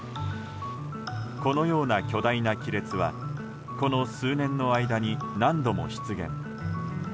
このような巨大な亀裂はこの数年の間に何度も出現。